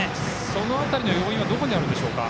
その辺りの要因はどこにあるでしょうか。